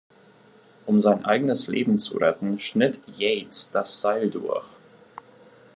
Um sein eigenes Leben zu retten, schnitt Yates das Seil durch.